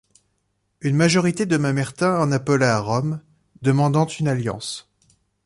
Une majorité de Mamertins en appela à Rome, demandant une alliance.